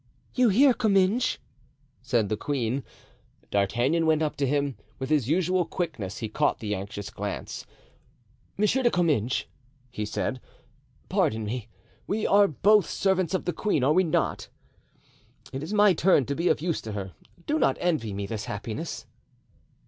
"You hear, Comminges?" said the queen. D'Artagnan went up to him; with his usual quickness he caught the anxious glance. "Monsieur de Comminges," he said, "pardon me; we both are servants of the queen, are we not? It is my turn to be of use to her; do not envy me this happiness."